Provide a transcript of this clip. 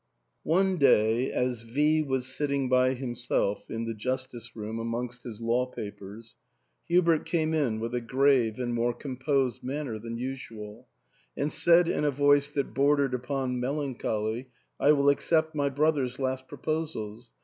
One day as V was sitting by himself in the jus tice room amongst his law papers, Hubert came in with a grave and more composed manner than usual, and said in a voice that bordered upon melancholy, " I will accept my brother's last proposals.